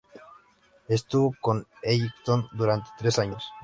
Estuvo con Ellington durante tres años.